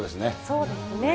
そうですね。